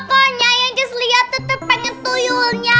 pokoknya yang just liat tetep pengen tuyulnya